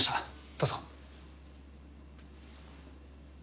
どうぞ。